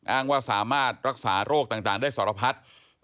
อ้างว่าสามารถรักษาโรคต่างได้สารพัด